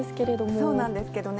そうなんですけどね。